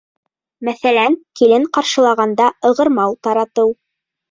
Мәҫәлән, килен ҡаршылағанда ығырмау таратыу.